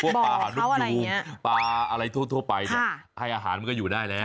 อ๋อจริงปลาหานุกยุมปลาอะไรทั่วไปให้อาหารมันก็อยู่ได้แล้ว